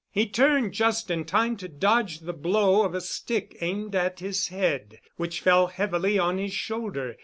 He turned just in time to dodge the blow of a stick aimed at his head, which fell heavily on his shoulder.